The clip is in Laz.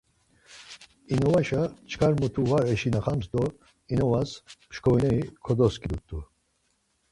İnuvaşa çkar mutu var eşinaxams do inuvas mşkorineri kodoskidut̆u.